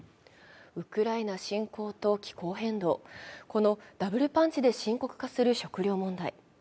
ウクライナ侵攻と気候変動、このダブルパンチで深刻化する食糧問題。